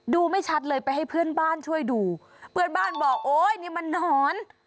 ดูไม่ชัดเลยไปให้เพื่อนบ้านช่วยดูเพื่อนบ้านบอกโอ๊ยนี่มันหนอน